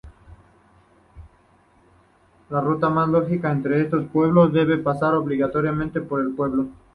La ruta más lógica entre estos dos pueblos debe pasar obligatoriamente por el pueblo.